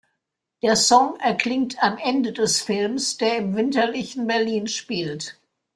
Der Song erklingt am Ende des Films, der im winterlichen Berlin spielt.